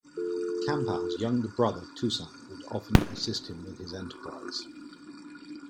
Campau's younger brother Touissant would often assist him with his enterprise.